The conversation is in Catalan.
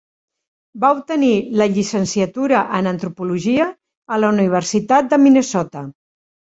Va obtenir la Llicenciatura en antropologia a la Universitat de Minnesota.